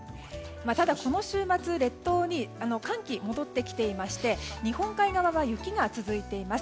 ただ、この週末列島に寒気が戻ってきていまして日本海側は雪が続いています。